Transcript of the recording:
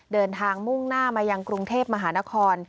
เดินทางมุ่งหน้ามายังกรุงเทพมหานคร